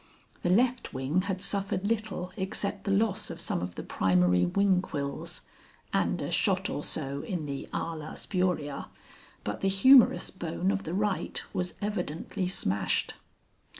The left wing had suffered little except the loss of some of the primary wing quills, and a shot or so in the ala spuria, but the humerus bone of the right was evidently smashed.)